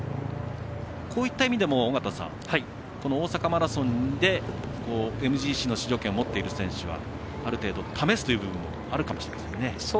こういった意味でも尾方さん大阪マラソンでＭＧＣの出場権を持っている選手は、ある程度試すという部分もあるかもしれませんね。